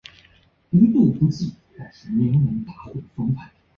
影片的主要取景地位于太平洋岛国斐济所属的马马努卡群岛的摩努雷基岛。